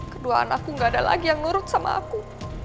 kedua anakku gak ada lagi yang ngurut sama aku